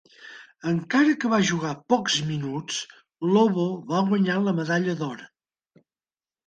Encara que va jugar pocs minuts, Lobo va guanyar la medalla d'or.